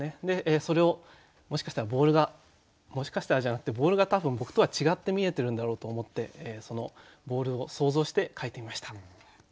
でそれをもしかしたらボールがもしかしたらじゃなくてボールが多分僕とは違って見えているんだろうと思ってそのボールを想像して書いてみました。